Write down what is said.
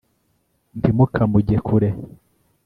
ntimukamujye kure